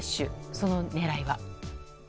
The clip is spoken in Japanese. その狙いは。